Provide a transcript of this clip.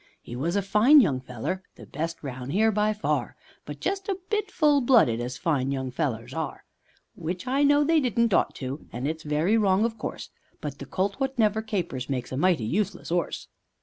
'E was a fine young fellar; the best roun' 'ere by far, But just a bit full blooded, as fine young fellars are; Which I know they didn't ought to, an' it's very wrong of course, But the colt wot never capers makes a mighty useless 'orse.